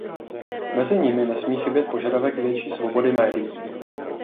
Mezi nimi nesmí chybět požadavek větší svobody médií.